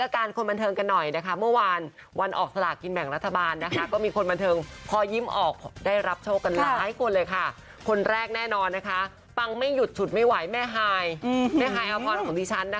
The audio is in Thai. การคนบันเทิงกันหน่อยนะคะเมื่อวานวันออกสลากินแบ่งรัฐบาลนะคะก็มีคนบันเทิงพอยิ้มออกได้รับโชคกันหลายคนเลยค่ะคนแรกแน่นอนนะคะปังไม่หยุดฉุดไม่ไหวแม่ฮายแม่ฮายอพรของดิฉันนะคะ